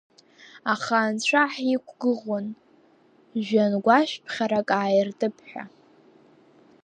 Аха анцәа ҳиқәгәыӷуан, жәҩангәашәԥхьарак ааиртып ҳәа.